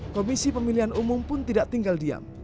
komisi pemilihan umum pun tidak tinggal diam